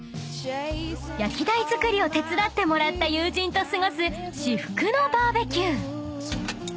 ［焼き台作りを手伝ってもらった友人と過ごす至福のバーベキュー］